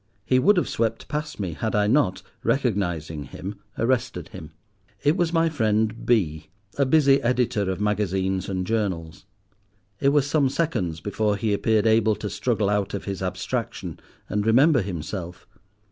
He would have swept past me had I not, recognizing him, arrested him. It was my friend B—, a busy editor of magazines and journals. It was some seconds before he appeared able to struggle out of his abstraction, and remember himself.